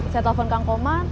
saya telepon kang komar